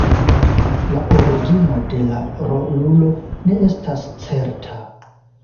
La origino de la rolulo ne estas certa.